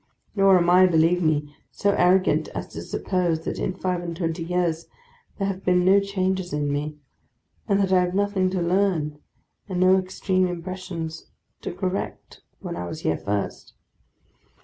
Nor am I, believe me, so arrogant as to suppose that in five and twenty years there have been no changes in me, and that I had nothing to learn and no extreme impressions to correct when I was here first.